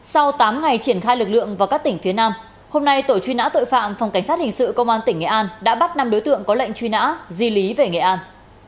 sau tám ngày triển khai lực lượng vào các tỉnh phía nam hôm nay tổ truy nã tội phạm phòng cảnh sát hình sự công an tỉnh nghệ an đã bắt năm đối tượng có lệnh truy nã di lý về nghệ an